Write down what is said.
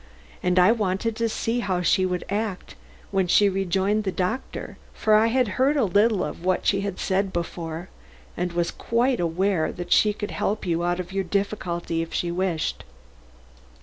And I wanted to see how she would act when she rejoined the doctor; for I had heard a little of what she had said before, and was quite aware that she could help you out of your difficulty if she wished.